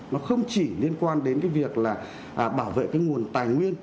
nó không chỉ liên quan đến cái việc là bảo vệ cái nguồn tài nguyên